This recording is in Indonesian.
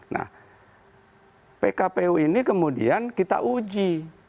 nah pkpu ini kemudian kita uji